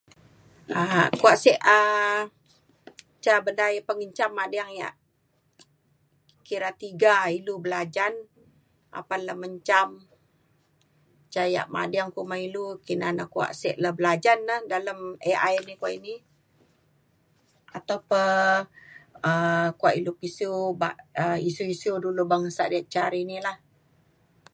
a’ak kuak sek um ca benda yak pengenjam ading yak kira tiga ilu belajan apan le menjam ca yak mading kuma ilu kina na kuak sek le belajan na dalem AI ni kuak ini atau pe um kuak ilu pisiu bak um isiu isiu dulu bangsa diak ca di ni lah